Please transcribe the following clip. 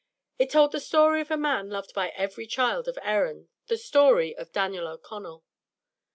It told the story of a man loved by every child of Erin, the story of Daniel O'Connell.